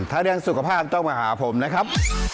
ทะเลียนสุขภาพต้องมาหาผมนะครับ